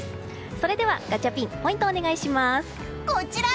それではガチャピンポイント、お願いします。